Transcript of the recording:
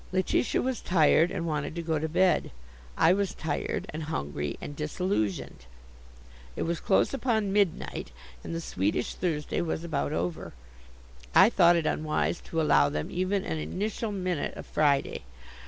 Letitia was tired and wanted to go to bed. I was tired and hungry and disillusioned. It was close upon midnight and the Swedish Thursday was about over. I thought it unwise to allow them even an initial minute of Friday.